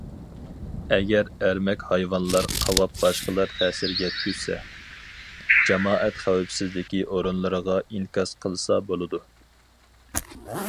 ئەگەر ئەرمەك ھايۋانلار قاۋاپ باشقىلار تەسىر يەتكۈزسە، جامائەت خەۋپسىزلىكى ئورۇنلىرىغا ئىنكاس قىلسا بولىدۇ.